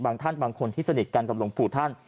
ท่านบางคนที่สนิทกันกับหลวงปู่ท่าน